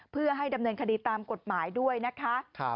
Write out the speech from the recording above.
เพื่อให้ดำเนินคดีตามกฎหมายด้วยนะคะ